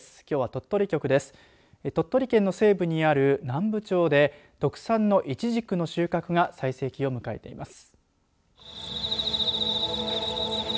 鳥取県の西部にある南部町で特産のいちじくの収穫が最盛期を迎えています。